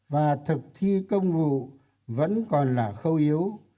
và thực thi công vụ vẫn còn là khâu yếu